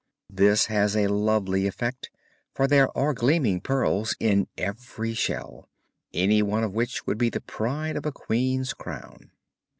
This has a lovely effect, for there are gleaming pearls in every shell, any one of which would be the pride of a queen's crown.